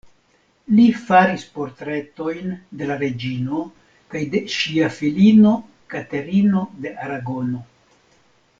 Li faris portretojn de la reĝino kaj de ŝia filino Katerino de Aragono.